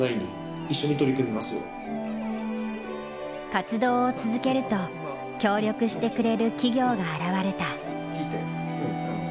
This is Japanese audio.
活動を続けると協力してくれる企業が現れた。